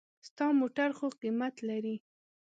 ستا موټر خو قېمت لري.